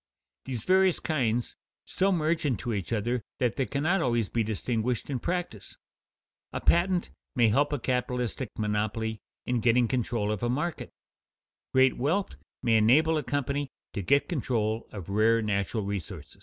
These various kinds so merge into each other that they cannot always be distinguished in practice. A patent may help a capitalistic monopoly in getting control of a market; great wealth may enable a company to get control of rare natural resources.